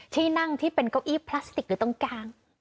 ที่นั่งที่เป็นเก้าอี้พลาสติกอยู่ตรงกลาง